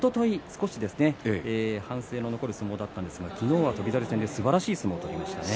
少し反省の残る相撲だったんですが昨日は翔猿戦すばらしい相撲を取りましたね。